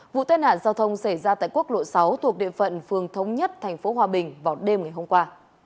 vụ tai nạn giao thông xảy ra tại quốc lộ sáu thuộc địa phận phường thống nhất tp hòa bình vào đêm ngày hôm qua